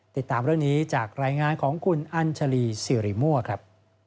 ติดตามเรื่องนี้จากรายงานของคุณอัญชาลีสิริมั่วครับ